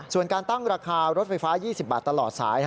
ส่วนการตั้งราคารถไฟฟ้า๒๐บาทตลอดสาย